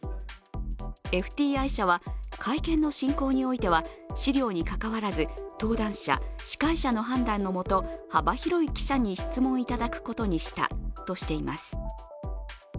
ＦＴＩ社は、会見の進行においては資料にかかわらず登壇者、司会者の判断のもと幅広い記者に質問いただくことにしたとしています。